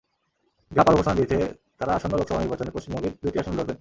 Gap আরও ঘোষণা দিয়েছে, তারা আসন্ন লোকসভা নির্বাচনে পশ্চিমবঙ্গের দুটি আসনে লড়বেন।